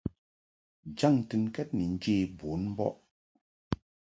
Jaŋ ntɨnkɛd ni njě bun mbɔʼ.